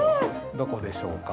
どこでしょうか？